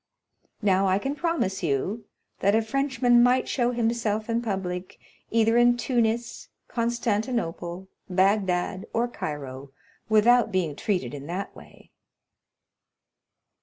Now I can promise you, that a Frenchman might show himself in public, either in Tunis, Constantinople, Bagdad, or Cairo, without being treated in that way."